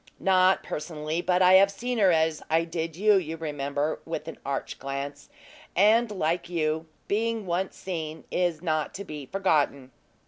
"Not personally; but I have seen her as I did you, you remember," with an arch glance; "and, like you, being once seen, is not to be forgotten."